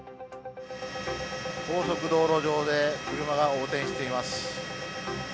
高速道路上で、車が横転しています。